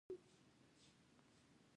چې بيخي ئې ژوند ته نۀ پرېږدي